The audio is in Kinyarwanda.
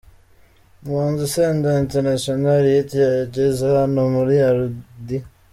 Umuhanzi Senderi International Hit yageze hano muri Audi.